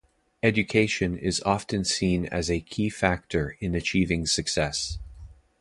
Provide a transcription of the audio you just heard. Education is often seen as a key factor in achieving success.